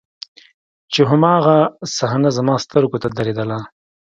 چې هماغه صحنه زما سترګو ته درېدله.